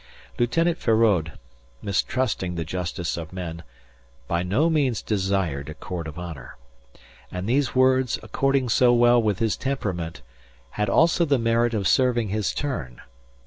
Lieutenant Feraud, mistrusting the justice of men, by no means desired a Court of Honour. And these words, according so well with his temperament, had also the merit of serving his turn.